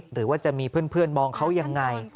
หรือว่าจะมีเพื่อนมองเขายังไง